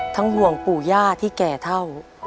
ห่วงปู่ย่าที่แก่เท่า